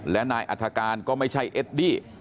และนายอัฐการก็ไม่ใช่เอดดี้